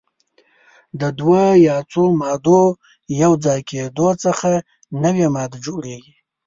د دوه یا څو مادو یو ځای کیدو څخه نوې ماده جوړیږي.